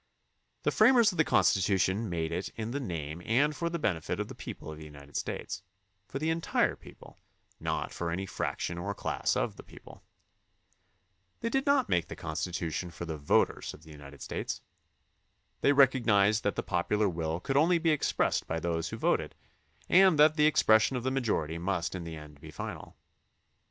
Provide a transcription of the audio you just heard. The framers of the Constitution made it in the name and for the benefit of the people of the United States; for the entire people, not for any fraction or class of the people. They did not make the Constitution for THE CONSTITUTION AND ITS MAKERS 81 the voters of the United States. They recognized that the popular will could only be expressed by those who voted and that the expression of the majority must in the end be final.